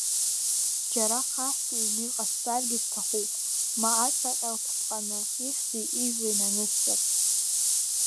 Џьара хаҳәк ҩны иҟасҵаргьы сҭахуп, ма ацаҟьа лҭаԥҟаны, ихьӡи ижәлеи нанысҵар…